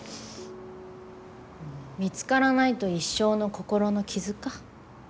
見つからないと一生の心の傷か。